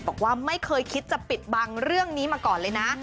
บอกว่าไม่เคยคิดจะปิดบังเรื่องนี้มาก่อนเลยนะ